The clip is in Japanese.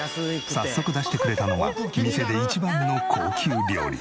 早速出してくれたのは店で一番の高級料理。